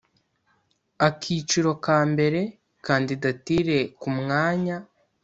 Akiciro ka mbere Kandidatire ku mwanya